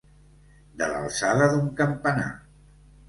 De l'alçada d'un campanar.